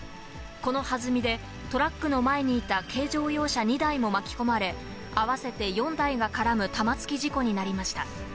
このはずみでトラックの前にいた軽乗用車２台も巻き込まれ、合わせて４台が絡む玉突き事故になりました。